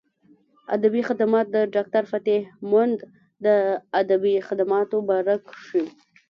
ادبي خدمات د ډاکټر فتح مند د ادبي خدماتو باره کښې